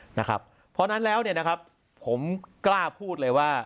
เพราะฉะนั้นแล้วผมกล้าพูดเลยว่า